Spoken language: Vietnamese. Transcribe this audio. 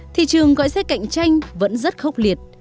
thị trường gọi xe cạnh tranh vẫn rất khốc liệt